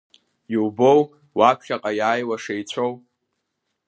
Иубоу уаԥхьаҟа иааиуа шеицәоу?